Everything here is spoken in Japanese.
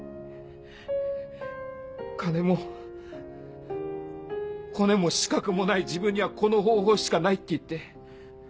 金もコネも資格もない自分にはこの方法しかないって言って。